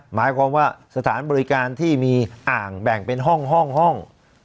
หมายความว่าสถานบริการที่มีอ่างแบ่งเป็นห้องห้อง